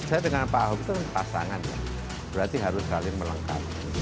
saya dengan pak ahok itu pasangan ya berarti harus saling melengkapi